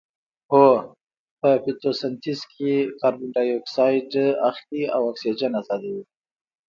هو په فتوسنتیز کې کاربن ډای اکسایډ اخلي او اکسیجن ازادوي